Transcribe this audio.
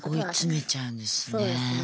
追い詰めちゃうんですね。